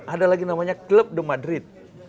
ada lagi namanya klub the madrid